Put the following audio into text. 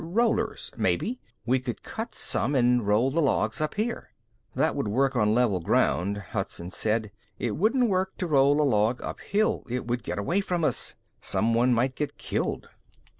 "Rollers, maybe. We could cut some and roll the logs up here." "That would work on level ground," Hudson said. "It wouldn't work to roll a log uphill. It would get away from us. Someone might get killed."